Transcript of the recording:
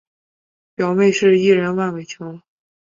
表妹是艺人万玮乔。